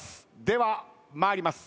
では参ります。